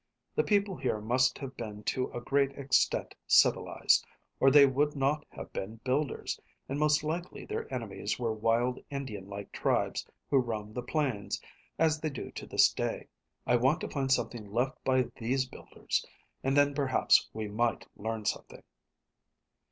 The people here must have been to a great extent civilised, or they would not have been builders; and most likely their enemies were wild Indian like tribes who roamed the plains, as they do to this day. I want to find something left by these builders, and then perhaps we might learn something."